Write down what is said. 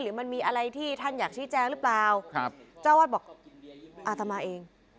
มันมีอะไรที่ท่านอยากชี้แจงหรือเปล่าครับเจ้าวาดบอกอาตมาเอง